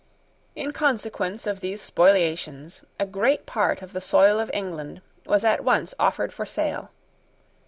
In consequence of these spoliations, a great part of the soil of England was at once offered for sale.